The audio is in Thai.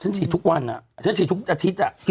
ฉีดทุกวันฉันฉีดทุกอาทิตย์